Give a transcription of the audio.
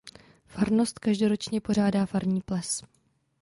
Farnost každoročně pořádá farní ples.